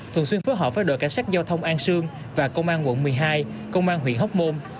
thường xuyên phối hợp với đội cảnh sát giao thông an sương và công an quận một mươi hai công an huyện hóc môn